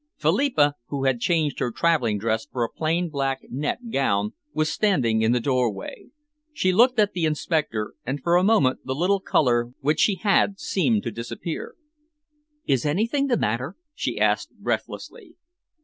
Philippa, who had changed her travelling dress for a plain black net gown, was standing in the doorway. She looked at the inspector, and for a moment the little colour which she had seemed to disappear. "Is anything the matter?" she asked breathlessly.